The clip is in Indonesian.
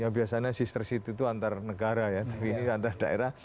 biasanya sister city itu antar negara ya tapi ini antar daerah